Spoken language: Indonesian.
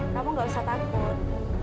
kamu nggak usah takut